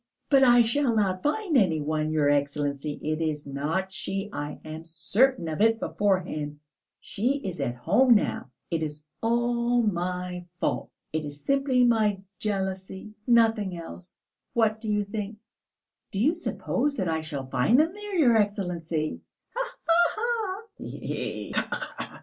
But I shall not find any one, your Excellency; it is not she, I am certain of it beforehand. She is at home now. It is all my fault! It is simply my jealousy, nothing else.... What do you think? Do you suppose that I shall find them there, your Excellency?" "Ha ha ha!"